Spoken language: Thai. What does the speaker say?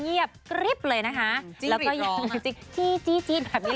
ดีขึ้นมั้ย